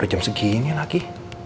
udah jam segini lagi